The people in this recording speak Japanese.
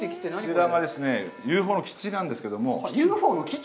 こちらがＵＦＯの基地なんですけど、ＵＦＯの基地？